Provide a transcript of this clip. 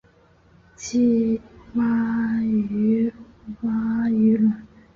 鲑鱼鲑鱼卵